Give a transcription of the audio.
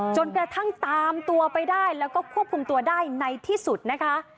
จนกระทั่งตามตัวไปได้แล้วก็ควบคุมตัวได้ในที่สุดนะคะ